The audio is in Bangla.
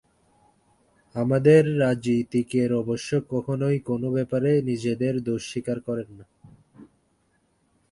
আমাদের রাজীতিকেরা অবশ্য কখনোই কোনো ব্যাপারে নিজেদের দোষ স্বীকার করেন না।